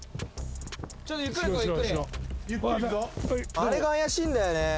あれが怪しいんだよね。